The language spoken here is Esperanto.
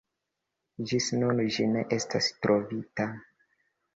Ĝis nun ĝi ne estas trovita.